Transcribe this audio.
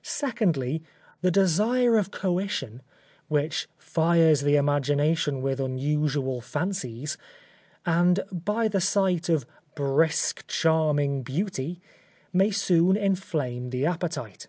Secondly, the desire of coition, which fires the imagination with unusual fancies, and by the sight of brisk, charming beauty, may soon inflame the appetite.